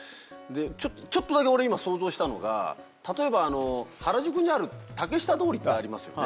ちょっとだけ俺今想像したのが例えば原宿にある竹下通りってありますよね。